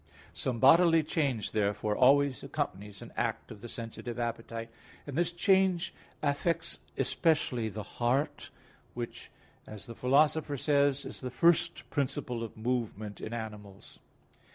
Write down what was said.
Some bodily change therefore always accompanies an act of the sensitive appetite, and this change affects especially the heart, which, as the Philosopher says (De part. animal. iii, 4), is the first principle of movement in animals.